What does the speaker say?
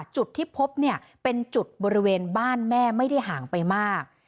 จุดที่พบเนี่ยเป็นจุดบริเวณบ้านแม่ไม่ได้ห่างไปมาก